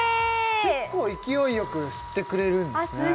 結構勢いよく吸ってくれるんですね